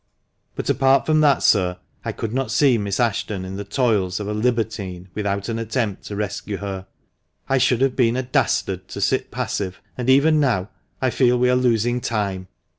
But apart THB MANCHESTER MAN. 353 from that, sir, I could not see Miss Ashton in the toils of a libertine without an attempt to rescue her. I should have been a dastard to sit passive, and even now I feel we are losing time."